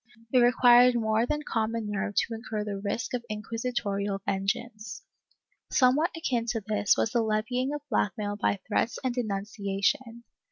It required more than common nerve to incur the risk of inquisitorial vengeance. Somewhat akin to this was the levying of blackmail by threats of denunciation.